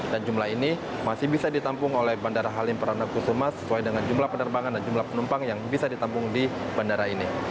dan jumlah ini masih bisa ditampung oleh bandara halim peranakusuma sesuai dengan jumlah penerbangan dan jumlah penumpang yang bisa ditampung di bandara ini